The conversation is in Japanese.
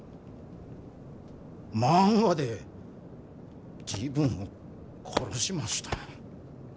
漫画で自分を殺しました。